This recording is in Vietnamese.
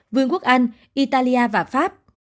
vương quốc anh italia và pháp